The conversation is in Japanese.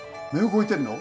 動いてんの？